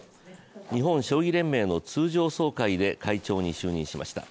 日本将棋連盟の通常総会で会長に就任しました。